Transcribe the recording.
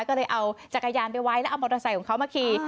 ก็เลยเอาจักรยานไปไว้แล้วเอามอเตอร์ไซค์ของเขามาขี่